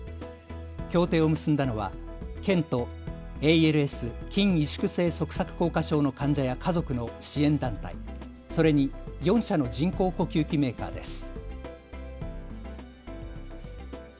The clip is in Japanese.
協定を結んだのは県とＡＬＳ・筋萎縮性側索硬化症の患者や家族の支援団体、それに４社の人工呼吸器メーカーです。